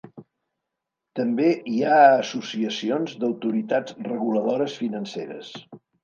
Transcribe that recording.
També hi ha associacions d'autoritats reguladores financeres.